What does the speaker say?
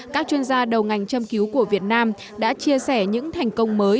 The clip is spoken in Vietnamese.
các chuyên gia đầu ngành châm cứu của việt nam đã chia sẻ những thành công mới